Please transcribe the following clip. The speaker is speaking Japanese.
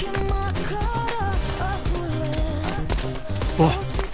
おい。